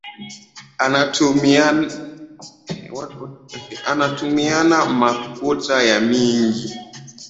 Anatumiana makuta ya mingi